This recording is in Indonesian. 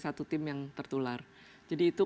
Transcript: satu tim yang tertular jadi itu